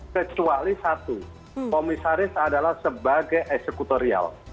kecuali satu komisaris adalah sebagai eksekutorial